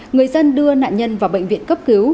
người dân đưa nạn nhân vào bệnh viện cấp cứu